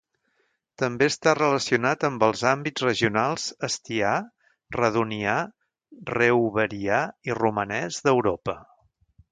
També està relacionat amb els àmbits regionals astià, redonià, reuverià i romanès d"Europa.